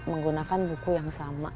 menggunakan buku yang sama